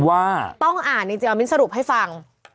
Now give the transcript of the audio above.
ว่าต้องอ่านจริงเอามิ้นสรุปให้ฟัง